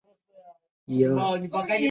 谢谢助教